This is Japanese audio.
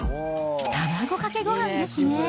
卵かけごはんですね。